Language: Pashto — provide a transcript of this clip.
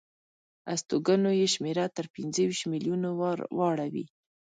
استوګنو یې شمېره تر پنځه ویشت میلیونو وراوړي.